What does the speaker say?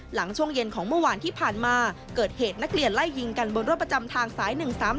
หลังช่วงเย็นของเมื่อวานที่ผ่านมาเกิดเหตุนักเรียนไล่ยิงกันบนรถประจำทางสาย๑๓๓